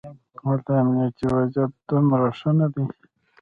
هلته امنیتي وضعیت دومره ښه نه دی.